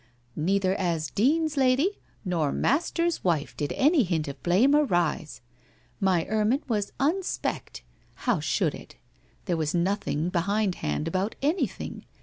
Xcither as Dean's lady, nor master's wife did any hint of blame arise. My ermine was unspecked. How should it? There was nothing behind hand about anything.